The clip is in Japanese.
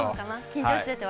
緊張してて。